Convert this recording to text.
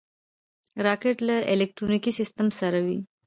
راکټ له الکترونیکي سیسټم سره وي